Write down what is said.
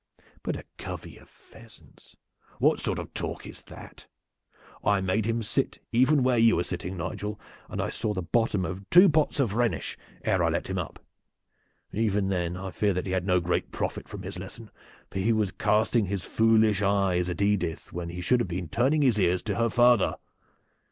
But a covey of pheasants! What sort of talk is that? I made him sit even where you are sitting, Nigel, and I saw the bottom of two pots of Rhenish ere I let him up. Even then I fear that he had no great profit from his lesson, for he was casting his foolish eyes at Edith when he should have been turning his ears to her father.